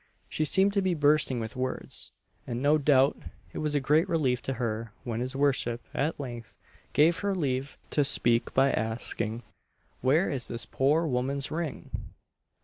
She seemed to be bursting with words; and, no doubt, it was a great relief to her when his worship at length gave her leave to speak by asking, "Where is this poor woman's ring?"